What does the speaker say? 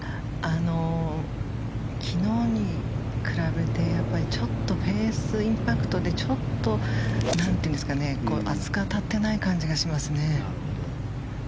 昨日に比べてちょっとフェースインパクトでちょっと厚く当たってない感じがしますね。